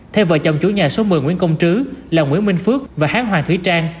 thay vợ chồng chủ nhà số một mươi nguyễn công trứ là nguyễn minh phước và hán hoàng thúy trang